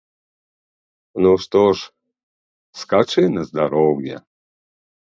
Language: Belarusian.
Ну, што ж, скачы на здароўе.